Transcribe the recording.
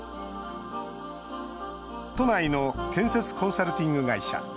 都内の建設コンサルティング会社。